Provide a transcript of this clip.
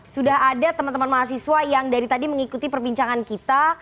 sudah ada teman teman mahasiswa yang dari tadi mengikuti perbincangan kita